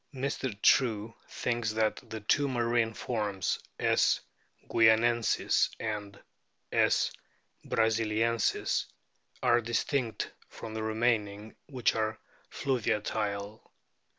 Mr. True thinks that the two marine forms ,5. guianensis and .S. brasiliensis are distinct from the remaining, which are fluviatile.